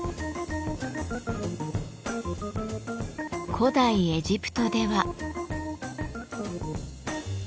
古代エジプトでは。